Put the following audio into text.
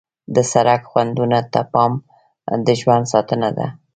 د سړک خنډونو ته پام د ژوند ساتنه ده.